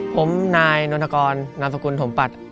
ผมนายโนธกรนามสกุลโถมปัช